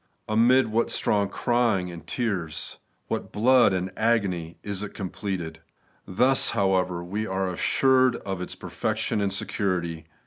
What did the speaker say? Amid what strong crying and tears, what blood and agony, is it completed ! Thus, however, we axe assured of its perfection and security.